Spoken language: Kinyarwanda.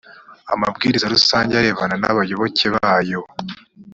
amabwiriza rusange arebana n’abayoboke bayo